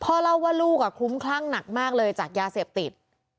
พ่อเล่าว่าลูกคลุ้มคลั่งหนักมากเลยจากยาเสพติด